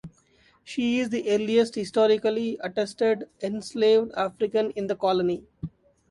She is the earliest historically attested enslaved African in the colony.